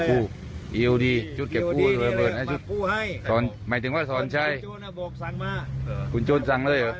คู่ยูดีชุดเก็บคู่ให้สอนไม่ถึงว่าสอนชัยบอกสั่งมาคุณโชนสั่งเลยเหรอ